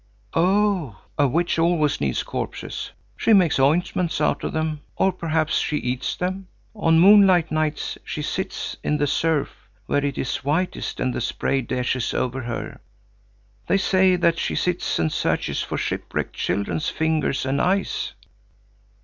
"Oh, a witch always needs corpses. She makes ointments out of them, or perhaps she eats them. On moonlight nights she sits in the surf, where it is whitest, and the spray dashes over her. They say that she sits and searches for shipwrecked children's fingers and eyes."